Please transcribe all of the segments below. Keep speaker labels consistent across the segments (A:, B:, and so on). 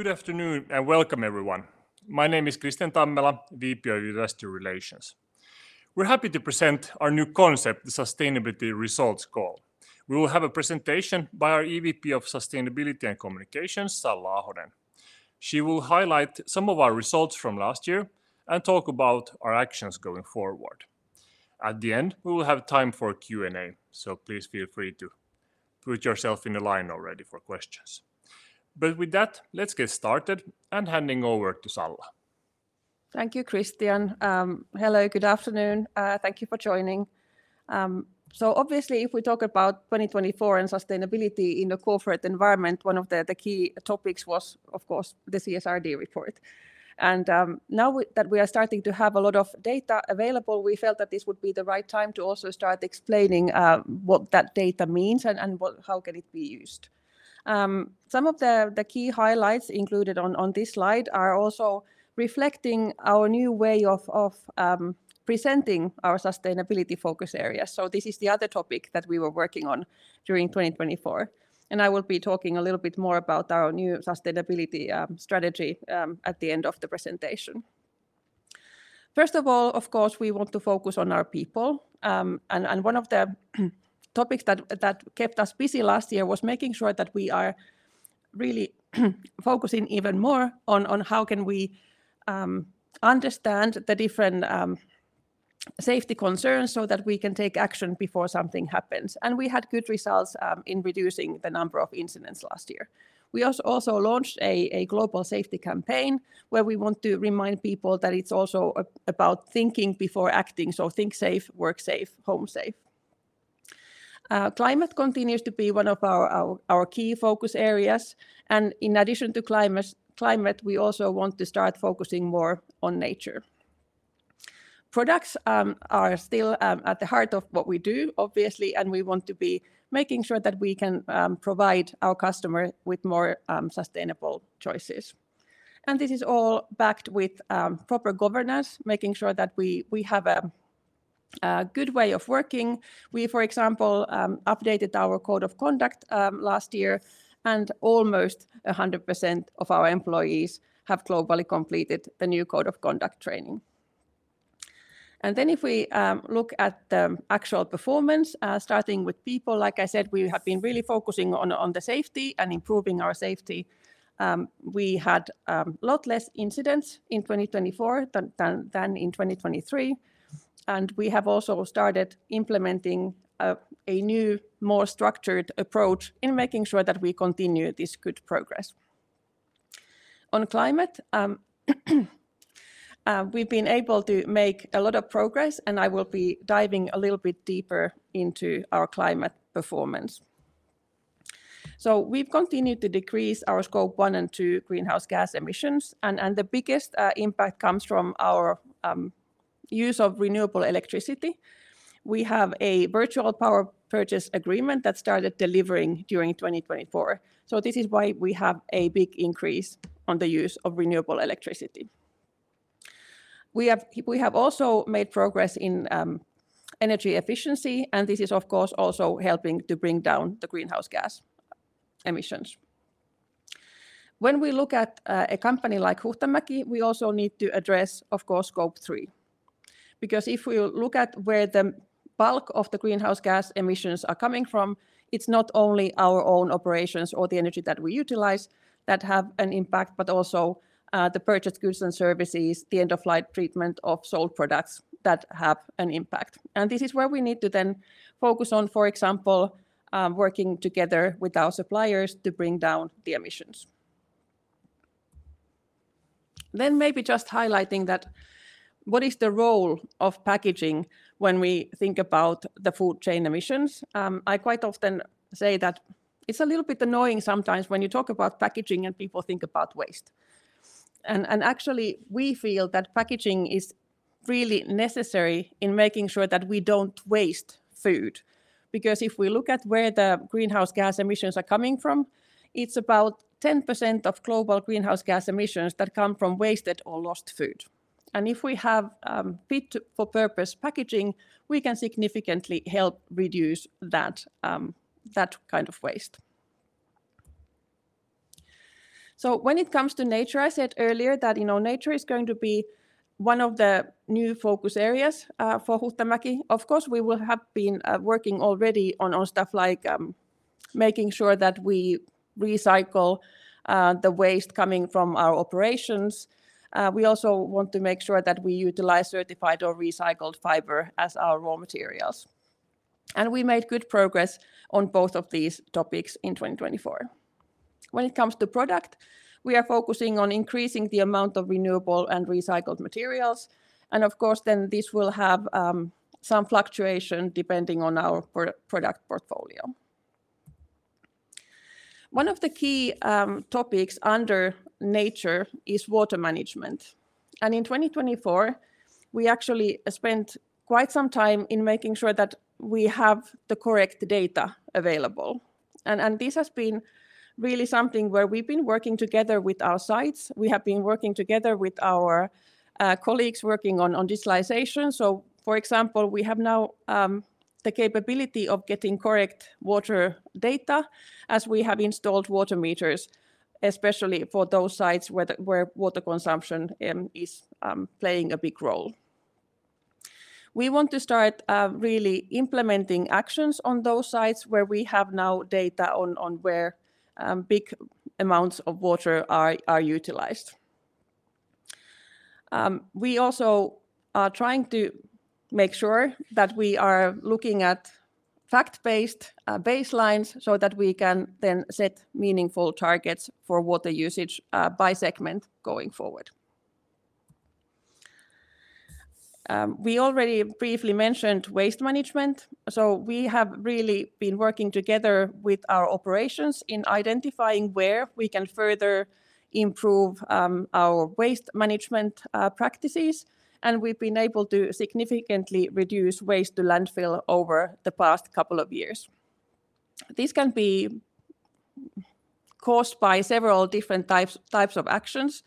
A: Good afternoon and welcome, everyone. My name is Kristian Tammela, VP of Investor Relations. We're happy to present our new concept, the Sustainability Results Call. We will have a presentation by our EVP of Sustainability and Communications, Salla Ahonen. She will highlight some of our results from last year and talk about our actions going forward. At the end, we will have time for Q&A, so please feel free to put yourself in the line already for questions. With that, let's get started and handing over to Salla.
B: Thank you, Kristian. Hello, good afternoon. Thank you for joining. Obviously, if we talk about 2024 and sustainability in a corporate environment, one of the key topics was, of course, the CSRD report. Now that we are starting to have a lot of data available, we felt that this would be the right time to also start explaining what that data means and how it can be used. Some of the key highlights included on this slide are also reflecting our new way of presenting our sustainability focus areas. This is the other topic that we were working on during 2024. I will be talking a little bit more about our new sustainability strategy at the end of the presentation. First of all, of course, we want to focus on our people. One of the topics that kept us busy last year was making sure that we are really focusing even more on how we can understand the different safety concerns so that we can take action before something happens. We had good results in reducing the number of incidents last year. We also launched a global safety campaign where we want to remind people that it's also about thinking before acting. Think safe, work safe, home safe. Climate continues to be one of our key focus areas. In addition to climate, we also want to start focusing more on nature. Products are still at the heart of what we do, obviously, and we want to be making sure that we can provide our customers with more sustainable choices. This is all backed with proper governance, making sure that we have a good way of working. We, for example, updated our Code of Conduct last year, and almost 100% of our employees have globally completed the new Code of Conduct training. If we look at the actual performance, starting with people, like I said, we have been really focusing on the safety and improving our safety. We had a lot less incidents in 2024 than in 2023. We have also started implementing a new, more structured approach in making sure that we continue this good progress. On climate, we've been able to make a lot of progress, and I will be diving a little bit deeper into our climate performance. We've continued to decrease our Scope 1 and 2 greenhouse gas emissions. The biggest impact comes from our use of renewable electricity. We have a virtual power purchase agreement that started delivering during 2024. This is why we have a big increase in the use of renewable electricity. We have also made progress in energy efficiency, and this is, of course, also helping to bring down the greenhouse gas emissions. When we look at a company like Huhtamäki, we also need to address, of course, Scope 3. Because if we look at where the bulk of the greenhouse gas emissions are coming from, it's not only our own operations or the energy that we utilize that have an impact, but also the purchased goods and services, the end-of-life treatment of sold products that have an impact. This is where we need to then focus on, for example, working together with our suppliers to bring down the emissions. Maybe just highlighting that what is the role of packaging when we think about the food chain emissions. I quite often say that it's a little bit annoying sometimes when you talk about packaging and people think about waste. Actually, we feel that packaging is really necessary in making sure that we don't waste food. If we look at where the greenhouse gas emissions are coming from, it's about 10% of global greenhouse gas emissions that come from wasted or lost food. If we have fit-for-purpose packaging, we can significantly help reduce that kind of waste. When it comes to nature, I said earlier that nature is going to be one of the new focus areas for Huhtamäki. Of course, we have been working already on stuff like making sure that we recycle the waste coming from our operations. We also want to make sure that we utilize certified or recycled fiber as our raw materials. We made good progress on both of these topics in 2024. When it comes to product, we are focusing on increasing the amount of renewable and recycled materials. Of course, this will have some fluctuation depending on our product portfolio. One of the key topics under nature is water management. In 2024, we actually spent quite some time in making sure that we have the correct data available. This has been really something where we've been working together with our sites. We have been working together with our colleagues working on digitalization. For example, we have now the capability of getting correct water data as we have installed water meters, especially for those sites where water consumption is playing a big role. We want to start really implementing actions on those sites where we have now data on where big amounts of water are utilized. We also are trying to make sure that we are looking at fact-based baselines so that we can then set meaningful targets for water usage by segment going forward. We already briefly mentioned waste management. We have really been working together with our operations in identifying where we can further improve our waste management practices. We have been able to significantly reduce waste to landfill over the past couple of years. This can be caused by several different types of actions.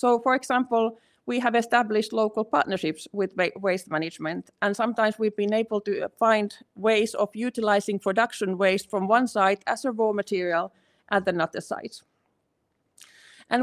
B: For example, we have established local partnerships with waste management. Sometimes we have been able to find ways of utilizing production waste from one site as a raw material at another site.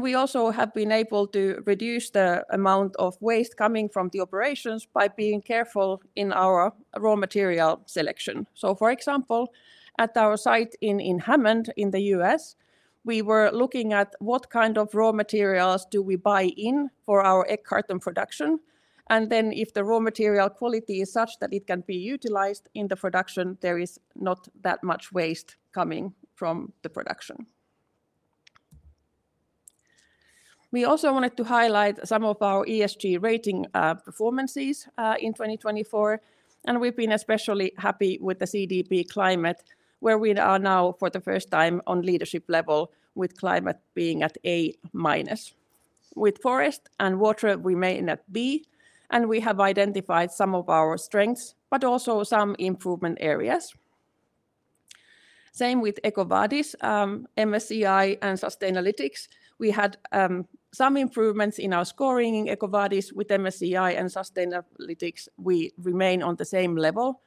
B: We also have been able to reduce the amount of waste coming from the operations by being careful in our raw material selection. For example, at our site in Hammond, US, we were looking at what kind of raw materials we buy in for our egg carton production. If the raw material quality is such that it can be utilized in the production, there is not that much waste coming from the production. We also wanted to highlight some of our ESG rating performances in 2024. We have been especially happy with the CDP climate, where we are now for the first time on leadership level with climate being at A-. With forest and water, we maintain at B. We have identified some of our strengths, but also some improvement areas. Same with EcoVadis, MSCI, and Sustainalytics. We had some improvements in our scoring. In EcoVadis with MSCI and Sustainalytics, we remain on the same level.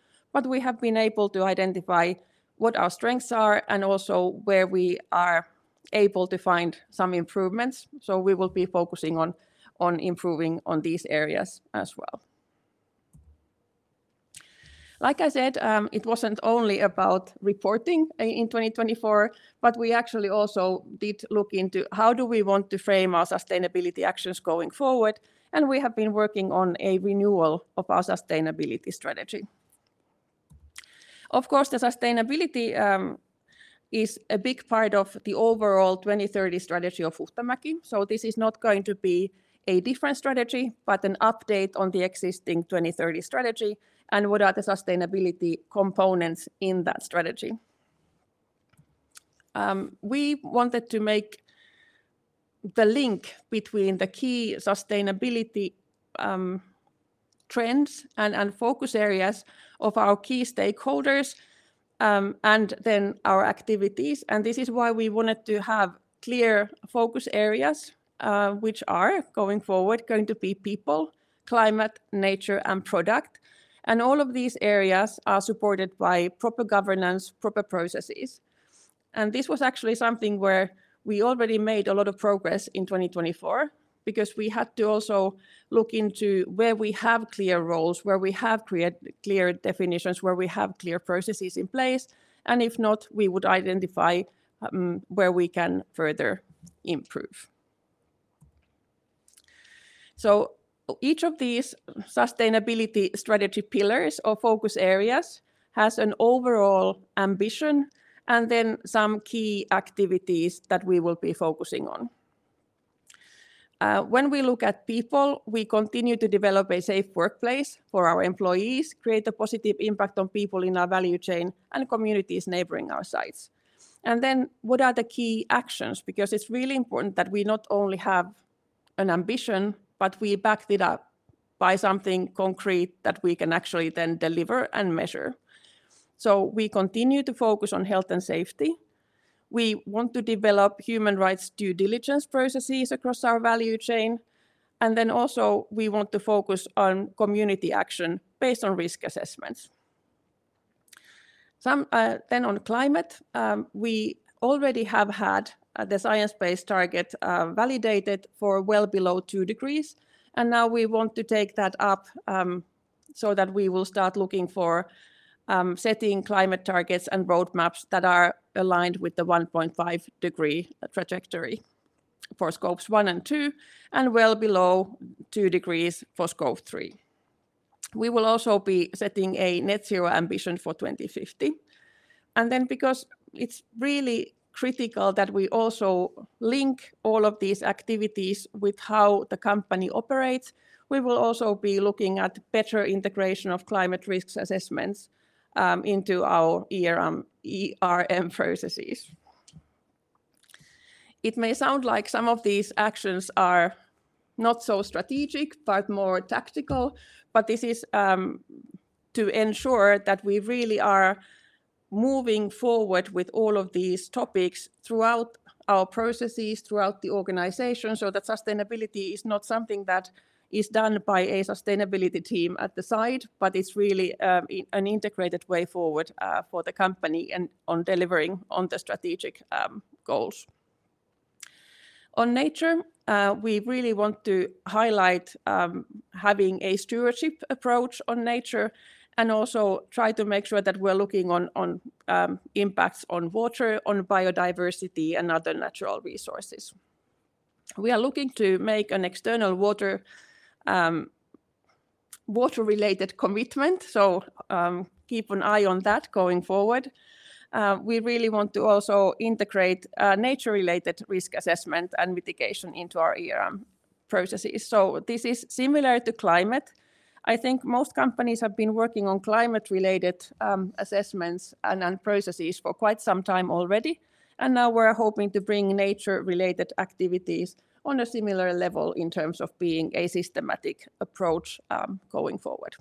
B: We have been able to identify what our strengths are and also where we are able to find some improvements. We will be focusing on improving on these areas as well. Like I said, it was not only about reporting in 2024, but we actually also did look into how do we want to frame our sustainability actions going forward. We have been working on a renewal of our sustainability strategy. Of course, the sustainability is a big part of the overall 2030 strategy of Huhtamäki. This is not going to be a different strategy, but an update on the existing 2030 strategy and what are the sustainability components in that strategy. We wanted to make the link between the key sustainability trends and focus areas of our key stakeholders and then our activities. This is why we wanted to have clear focus areas, which are going forward going to be people, climate, nature, and product. All of these areas are supported by proper governance, proper processes. This was actually something where we already made a lot of progress in 2024 because we had to also look into where we have clear roles, where we have clear definitions, where we have clear processes in place. If not, we would identify where we can further improve. Each of these sustainability strategy pillars or focus areas has an overall ambition and then some key activities that we will be focusing on. When we look at people, we continue to develop a safe workplace for our employees, create a positive impact on people in our value chain and communities neighboring our sites. What are the key actions? It is really important that we not only have an ambition, but we back it up by something concrete that we can actually then deliver and measure. We continue to focus on health and safety. We want to develop human rights due diligence processes across our value chain. We also want to focus on community action based on risk assessments. On climate, we already have had the science-based target validated for well below two degrees. We want to take that up so that we will start looking for setting climate targets and roadmaps that are aligned with the 1.5 degree trajectory for Scopes 1 and 2 and well below two degrees for Scope 3. We will also be setting a net zero ambition for 2050. Because it is really critical that we also link all of these activities with how the company operates, we will also be looking at better integration of climate risk assessments into our processes. It may sound like some of these actions are not so strategic, but more tactical, but this is to ensure that we really are moving forward with all of these topics throughout our processes, throughout the organization, so that sustainability is not something that is done by a sustainability team at the side, but it's really an integrated way forward for the company and on delivering on the strategic goals. On nature, we really want to highlight having a stewardship approach on nature and also try to make sure that we're looking on impacts on water, on biodiversity, and other natural resources. We are looking to make an external water-related commitment, so keep an eye on that going forward. We really want to also integrate nature-related risk assessment and mitigation into our processes. This is similar to climate. I think most companies have been working on climate-related assessments and processes for quite some time already. We are hoping to bring nature-related activities on a similar level in terms of being a systematic approach going forward.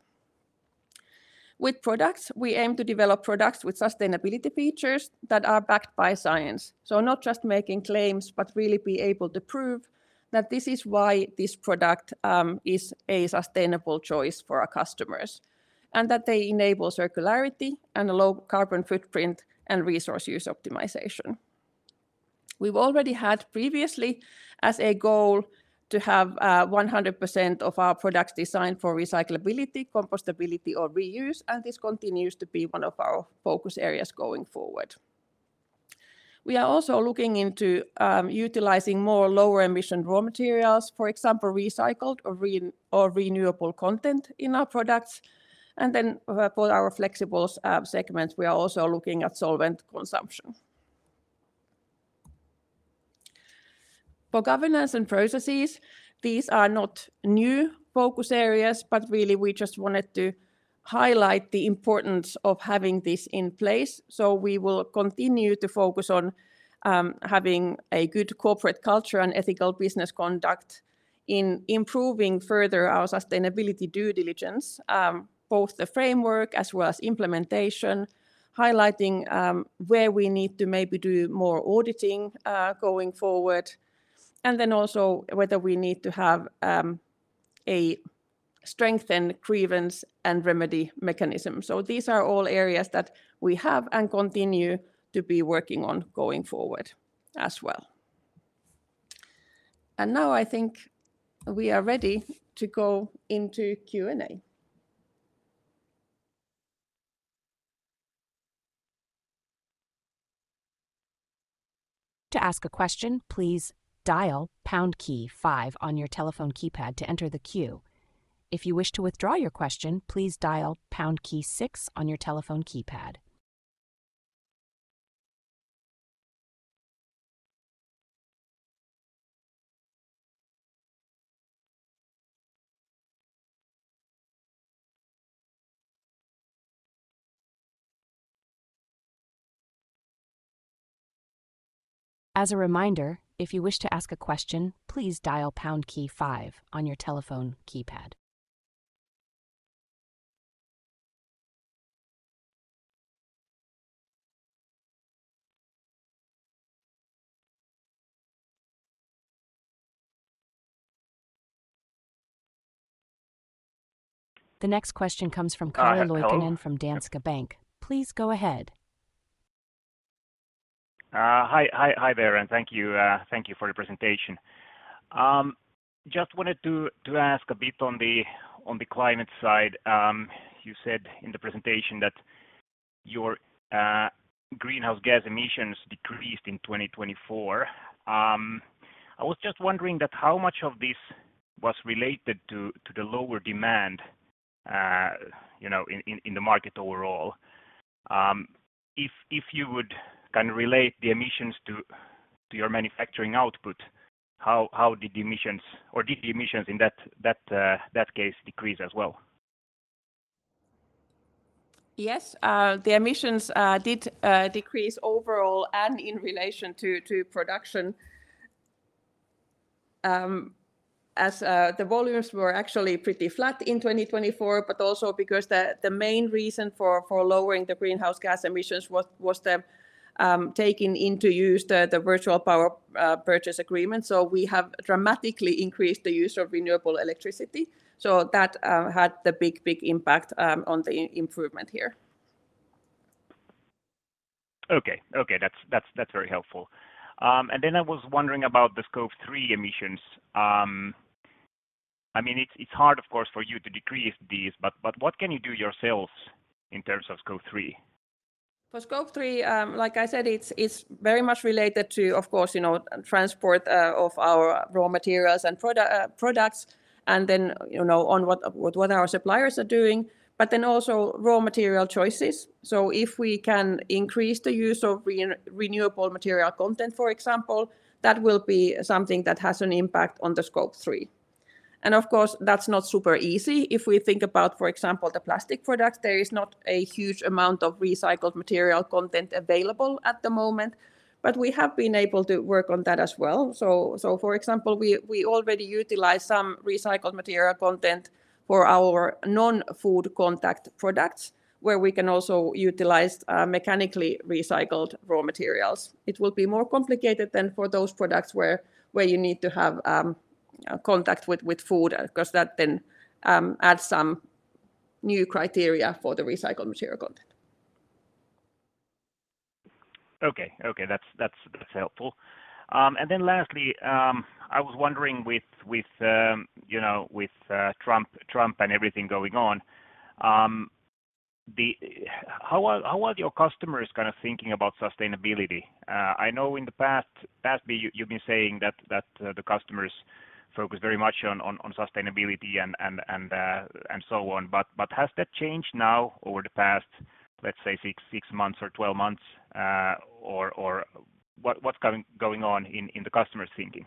B: With products, we aim to develop products with sustainability features that are backed by science. Not just making claims, but really be able to prove that this is why this product is a sustainable choice for our customers and that they enable circularity and a low carbon footprint and resource use optimization. We have already had previously as a goal to have 100% of our products designed for recyclability, compostability, or reuse. This continues to be one of our focus areas going forward. We are also looking into utilizing more lower emission raw materials, for example, recycled or renewable content in our products. For our flexible segments, we are also looking at solvent consumption. For governance and processes, these are not new focus areas, but we just wanted to highlight the importance of having this in place. We will continue to focus on having a good corporate culture and ethical business conduct in improving further our sustainability due diligence, both the framework as well as implementation, highlighting where we need to maybe do more auditing going forward, and also whether we need to have a strengthened grievance and remedy mechanism. These are all areas that we have and continue to be working on going forward as well. I think we are ready to go into Q&A.
C: To ask a question, please dial pound key five on your telephone keypad to enter the queue. If you wish to withdraw your question, please dial pound key six on your telephone keypad. As a reminder, if you wish to ask a question, please dial pound key five on your telephone keypad. The next question comes from Calle Loikkanen from Danske Bank. Please go ahead.
D: Hi, Salla. And thank you for the presentation. Just wanted to ask a bit on the climate side. You said in the presentation that your greenhouse gas emissions decreased in 2024. I was just wondering how much of this was related to the lower demand in the market overall. If you would kind of relate the emissions to your manufacturing output, how did the emissions or did the emissions in that case decrease as well?
B: Yes, the emissions did decrease overall and in relation to production. The volumes were actually pretty flat in 2024, but also because the main reason for lowering the greenhouse gas emissions was taking into use the virtual power purchase agreement. We have dramatically increased the use of renewable electricity. That had the big, big impact on the improvement here.
D: Okay, okay. That's very helpful. I was wondering about the scope 3 emissions. I mean, it's hard, of course, for you to decrease these, but what can you do yourselves in terms of scope 3?
B: For scope 3, like I said, it's very much related to, of course, transport of our raw materials and products and then on what our suppliers are doing, but then also raw material choices. If we can increase the use of renewable material content, for example, that will be something that has an impact on the scope 3. Of course, that's not super easy. If we think about, for example, the plastic products, there is not a huge amount of recycled material content available at the moment, but we have been able to work on that as well. For example, we already utilize some recycled material content for our non-food contact products where we can also utilize mechanically recycled raw materials. It will be more complicated than for those products where you need to have contact with food because that then adds some new criteria for the recycled material content.
D: Okay, okay. That's helpful. Lastly, I was wondering with Trump and everything going on, how are your customers kind of thinking about sustainability? I know in the past, you've been saying that the customers focus very much on sustainability and so on, but has that changed now over the past, let's say, six months or twelve months, or what's going on in the customers' thinking?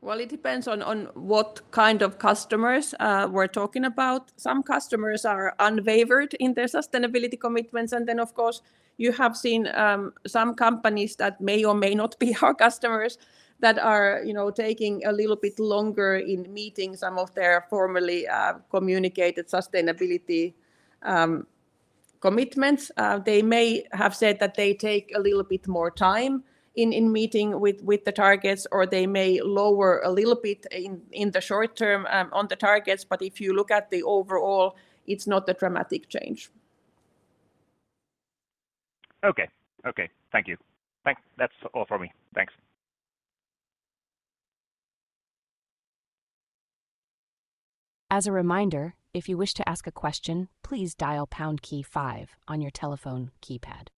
B: It depends on what kind of customers we're talking about. Some customers are unwavered in their sustainability commitments. Of course, you have seen some companies that may or may not be our customers that are taking a little bit longer in meeting some of their formerly communicated sustainability commitments. They may have said that they take a little bit more time in meeting with the targets, or they may lower a little bit in the short term on the targets. If you look at the overall, it's not a dramatic change.
D: Okay, okay. Thank you. That's all for me. Thanks.
C: As a reminder, if you wish to ask a question, please dial pound key five on your telephone keypad.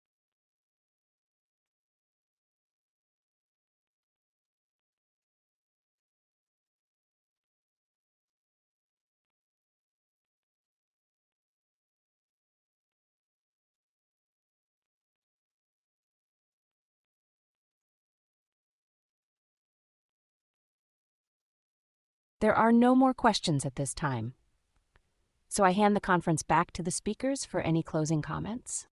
C: There are no more questions at this time, so I hand the conference back to the speakers for any closing comments.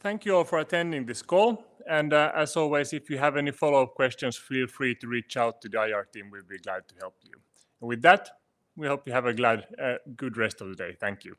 A: Thank you all for attending this call. As always, if you have any follow-up questions, feel free to reach out to the IR team. We will be glad to help you. With that, we hope you have a good rest of the day. Thank you.